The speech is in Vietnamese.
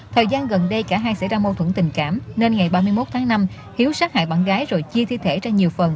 thời gian gần đây cả hai xảy ra mâu thuẫn tình cảm nên ngày ba mươi một tháng năm hiếu sát hại bạn gái rồi chia thi thể ra nhiều phần